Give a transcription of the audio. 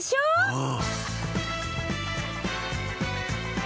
うん。